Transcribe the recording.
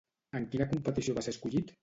En quina competició va ser escollit?